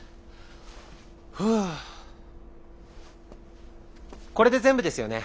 ふぅこれで全部ですよね。